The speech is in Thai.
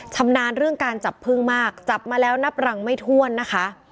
ชำนาญเรื่องการจับพึ่งมากจับมาแล้วนับรังไม่ถ้วนนะคะ